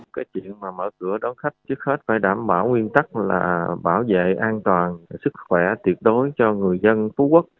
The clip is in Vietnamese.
cái chuyện mà mở cửa đón khách trước hết phải đảm bảo nguyên tắc là bảo vệ an toàn sức khỏe tuyệt đối cho người dân phú quốc